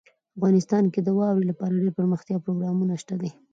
افغانستان کې د واورې لپاره دپرمختیا پروګرامونه شته دي.